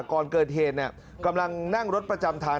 ก่อนเกิดเหตุกำลังนั่งรถประจำทาง